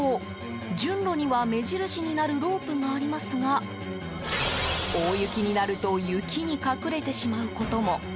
順路には目印になるロープがありますが大雪になると雪に隠れてしまうことも。